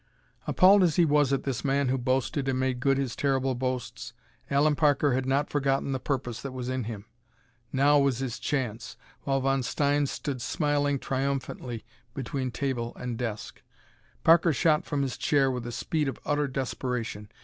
Appalled as he was at this man who boasted and made good his terrible boasts Allen Parker had not forgotten the purpose that was in him. Now was his chance, while Von Stein stood smiling triumphantly between table and desk. Parker shot from his chair with the speed of utter desperation.